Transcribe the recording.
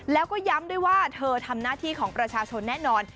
แล้วก็ย้ำด้วยว่าเธอทำหน้าที่ของประชาชนแน่นอน